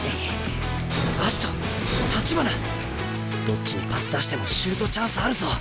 どっちにパス出してもシュートチャンスあるぞ！